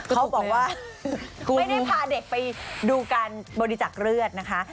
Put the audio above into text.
เขาบอกว่าไม่ได้พาเด็กไปดูการบริจักษ์เลือดนะคะ